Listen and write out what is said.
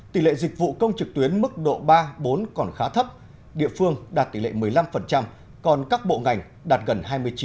tỷ lệ dịch vụ công trực tuyến mức độ ba bốn còn khá thấp địa phương đạt tỷ lệ một mươi năm còn các bộ ngành đạt gần hai mươi chín